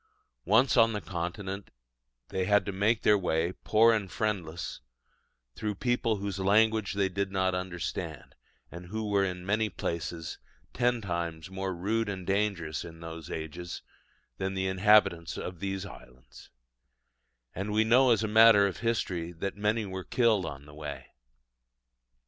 Once on the Continent, they had to make their way, poor and friendless, through people whose language they did not understand, and who were in many places ten times more rude and dangerous in those ages than the inhabitants of these islands: and we know as a matter of history, that many were killed on the way.